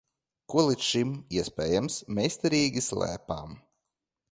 Ko līdz šim, iespējams, meistarīgi slēpām.